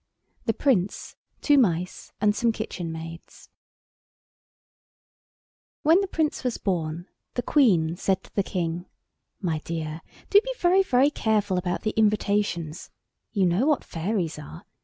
THE PRINCE, TWO MICE, AND SOME KITCHEN MAIDS WHEN the Prince was born the Queen said to the King, "My dear, do be very, very careful about the invitations. You know what fairies are.